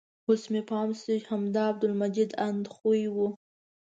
اوس مې پام شو چې همدا عبدالمجید اندخویي و.